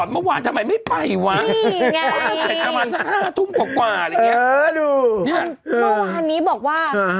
เมื่อวานนี้บอกว่า